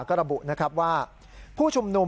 ก็ระบุว่าผู้ชุมนม